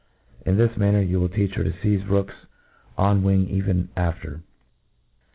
In this manner, you will teach her to feize rooks on iiring ever after.